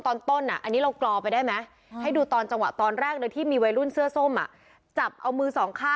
ตอนต้นอ่ะอันนี้เรากลอไปได้ไหมให้ดูตอนจังหวะตอนแรกเนี่ยที่มีวัยรุ่นเสื้อส้มอ่ะ